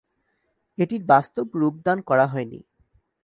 এটির বাস্তব রূপদান করা হয়নি।